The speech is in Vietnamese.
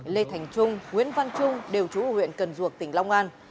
lê thành trung nguyễn văn trung đều chủ huyện cần duộc tỉnh long an